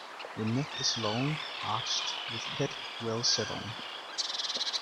The neck is long, arched, with head well set on.